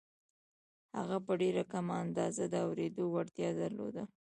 هغه په ډېره کمه اندازه د اورېدو وړتيا درلوده.